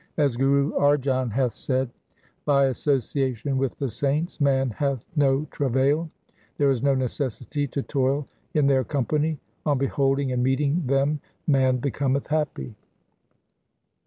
As Guru Arjan hath said :— By association with the saints man hath no travail ; There is no necessity to toil in their company : On beholding and meeting them man becometh happy.